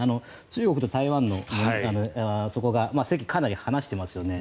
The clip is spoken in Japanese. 中国と台湾のそこが席をかなり離していますよね。